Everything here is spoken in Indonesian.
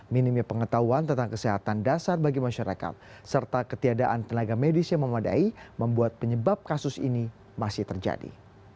minimnya pengetahuan tentang kesehatan dasar bagi masyarakat serta ketiadaan tenaga medis yang memadai membuat penyebab kasus ini masih terjadi